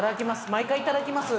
毎回いただきます。